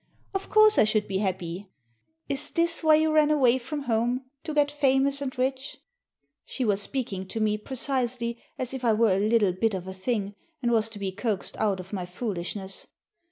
"Of course, I should be happy," "Is this why you ran away from home — to get famous and rich?" She was speaking to me precisely as if I were a little 582 A TURKISH WHAT FOR? bit of a thing, and was to be coaxed out of my foolish ness.